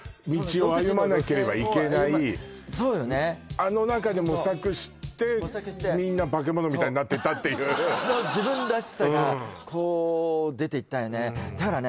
あの中で模索してみんな化け物みたいになってったっていう自分らしさがこう出ていったんだよねだからね